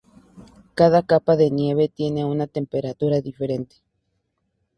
Cada capa de nieve tiene una temperatura diferente.